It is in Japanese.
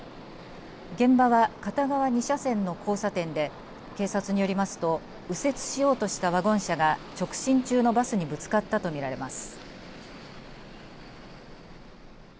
現場は片側２車線の交差点で警察によりますと右折しようとしたワゴン車が直進中のバスにぶつかったと見られます。